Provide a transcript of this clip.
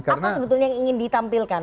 apa sebetulnya yang ingin ditampilkan